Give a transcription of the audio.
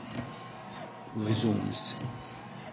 Bdumt.